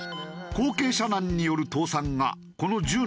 後継者難による倒産がこの１０年で増加。